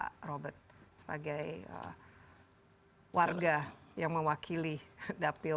pak robert sebagai warga yang mewakili dapil